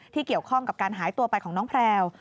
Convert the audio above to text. เกี่ยวข้องกับการหายตัวไปของน้องแพลว